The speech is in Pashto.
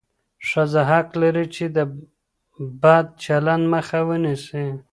ښځه حق لري چې د بد چلند مخه ونیسي.